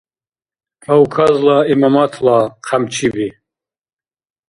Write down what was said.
«Кавказла имаматла» хъямчиби